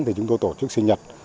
thì chúng tôi tổ chức sinh nhật